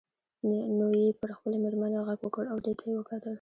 نو یې پر خپلې میرمنې غږ وکړ او دې ته یې وکتل.